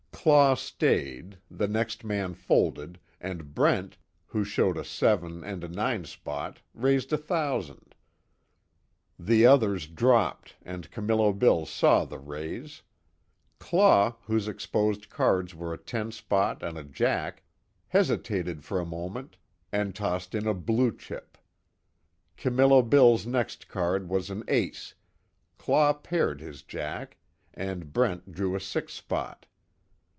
Claw stayed, the next man folded, and Brent, who showed a seven and a nine spot raised a thousand. The others dropped, and Camillo Bill saw the raise. Claw, whose exposed cards were a ten spot and a jack, hesitated for a moment and tossed in a blue chip. Camillo Bill's next card was an ace, Claw paired his jack and Brent drew a six spot.